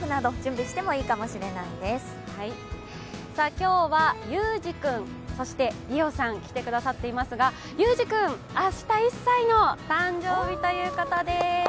今日はユウジくん、リオさん来てくださっていますがユウジくん、明日、１歳の誕生日ということです。